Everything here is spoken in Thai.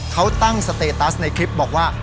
เขาตั้งสเตตัสในคลิปบอกว่า